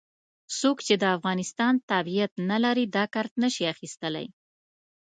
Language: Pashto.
څوک چې د افغانستان تابعیت نه لري دا کارت نه شي اخستلای.